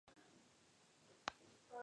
María Sharápova def.